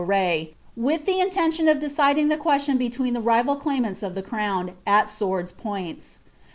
163 tendon of deciding the qaestion between the rival claimants of the erown, at swords' points.